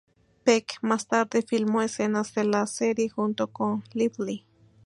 Peck más tarde filmó escenas de la serie junto con Lively.